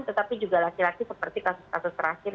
tetapi juga laki laki seperti kasus kasus terakhir